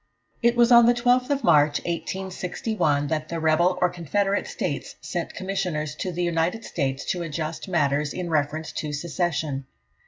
It was on the 12th of March, 1861, that the rebel or Confederate States sent Commissioners to the United States to adjust matters in reference to secession.